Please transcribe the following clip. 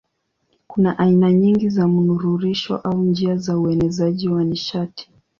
Kuna aina nyingi za mnururisho au njia za uenezaji wa nishati.